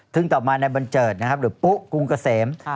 ซึ่งต่อมานายบัญเจิดนะครับหรือปุ๊กรุงเกษม